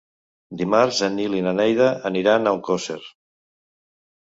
Dimarts en Nil i na Neida aniran a Alcosser.